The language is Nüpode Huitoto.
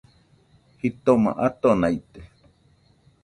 Jitoma atona ite